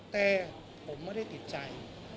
แต่ผมไม่ได้ติดใจ